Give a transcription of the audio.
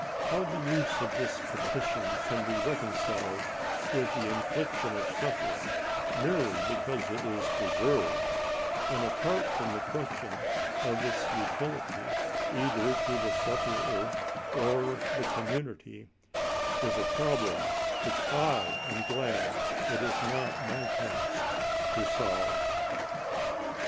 How the use of this petition can be reconciled with the infliction of suffering, merely because it is deserved, and *< apart from the question" of its utility either to the sufferer or the community, is a problem which I am glad it is not my task to solve.